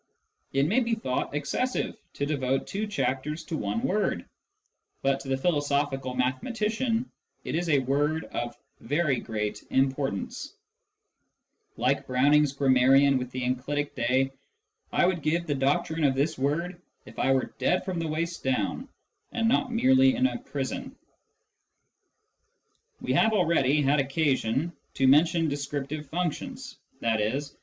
It may be thought excessive to devote two chapters to one word, but to the philosophical mathematician it is a word of very great importance : like Browning's Grammarian with the enclitic 8e, I would give the doctrine of this word if I were " dead from the waist down " and not merely in a prison. We have already had occasion to mention " descriptive functions," i.e.